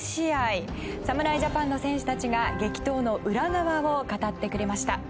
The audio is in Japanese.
侍ジャパンの選手たちが激闘の裏側を語ってくれました。